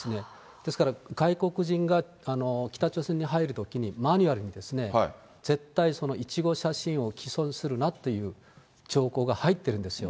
ですから外国人が北朝鮮に入るときに、マニュアルに、絶対１号写真を棄損するなっていう条項が入ってるんですよ。